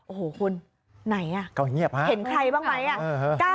โอ้โหคุณไหนอ่ะเห็นใครบ้างไหมอ่ะ